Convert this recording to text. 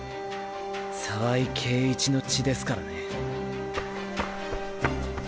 澤井圭一の血ですからね。